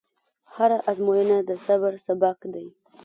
هره ازموینه د صبر سبق دی.